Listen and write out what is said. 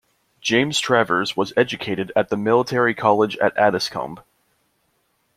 James Travers was educated at the military college at Addiscombe.